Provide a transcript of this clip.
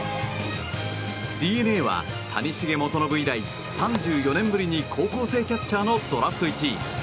ＤｅＮＡは谷繁元信以来３５年ぶりに高校生キャッチャーのドラフト１位。